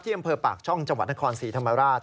อำเภอปากช่องจังหวัดนครศรีธรรมราช